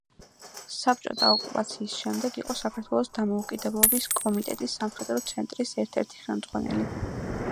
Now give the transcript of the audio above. საბჭოთა ოკუპაციის შემდეგ იყო საქართველოს დამოუკიდებლობის კომიტეტის სამხედრო ცენტრის ერთ-ერთი ხელმძღვანელი.